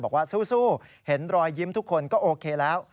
บอกว่าสู้เห็นรอยยิ้มทุกคนก็โอเคแล้ว